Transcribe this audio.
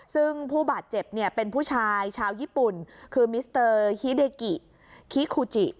ซึ่งผู้บาดเจ็บเนี่ยเป็นผู้ชายชาวญี่ปุ่นคือมิสเตอร์ฮิเดกิคิคูจิ